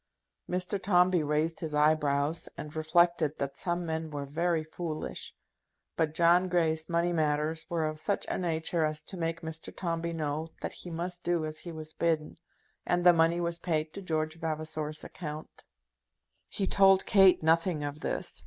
Mr. Tombe raised his eyebrows, and reflected that some men were very foolish. But John Grey's money matters were of such a nature as to make Mr. Tombe know that he must do as he was bidden; and the money was paid to George Vavasor's account. He told Kate nothing of this.